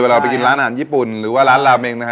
เราไปกินร้านอาหารญี่ปุ่นหรือว่าร้านลาเมงนะฮะ